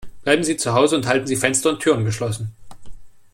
Bleiben Sie zu Hause und halten Sie Fenster und Türen geschlossen.